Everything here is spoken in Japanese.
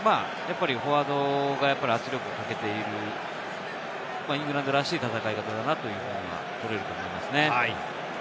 フォワードがやっぱり圧力をかけているイングランドらしい戦い方だなと思います。